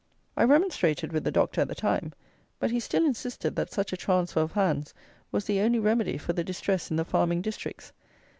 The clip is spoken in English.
I remonstrated with the Doctor at the time; but he still insisted that such a transfer of hands was the only remedy for the distress in the farming districts.